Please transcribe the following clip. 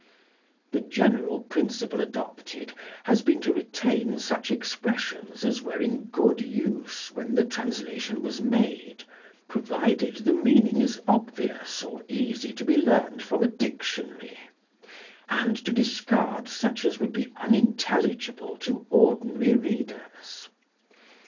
The general princi EDITOR'S PREFACE. VU pie adopted has been to retain such expressions as were in good use when the translation was made, provided the meaning is obvious or easy to be learned from a dictionary, and to discard such as would be unintelligible to ordinary readers.